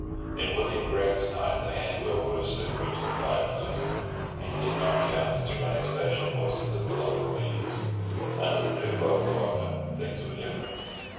In William Grant's time the handbill would have soon reached the fire place; he did not countenance running station horses at the local meetings. Under the new owner things were different.